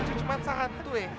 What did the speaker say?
baju cuma satu ya